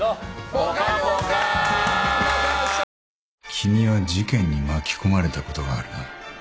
君は事件に巻き込まれたことがあるな。